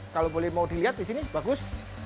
kalau boleh mau dilihat di sini bagus